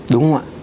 đúng không ạ